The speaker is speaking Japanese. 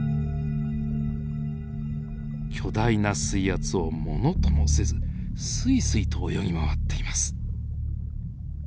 巨大な水圧を物ともせずスイスイと泳ぎ回っています。